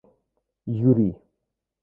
Юрий